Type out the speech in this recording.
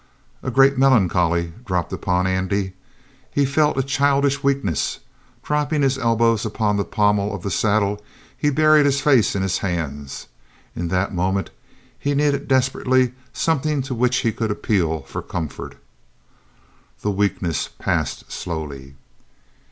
A great melancholy dropped upon Andy. He felt a childish weakness; dropping his elbows upon the pommel of the saddle, he buried his face in his hands. In that moment he needed desperately something to which he could appeal for comfort. The weakness passed slowly.